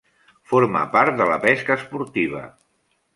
Forma part de la pesca esportiva.